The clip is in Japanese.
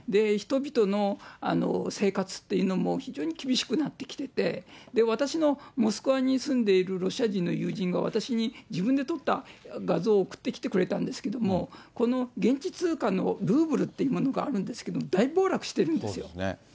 人々の生活っていうのも、非常に厳しくなってきてて、私のモスクワに住んでいるロシア人の友人が、私に自分で撮った画像を送ってきてくれたんですけれども、この現地通貨のルーブルというものが大暴落してるんですよ。